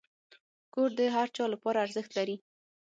کور د هر چا لپاره ارزښت لري.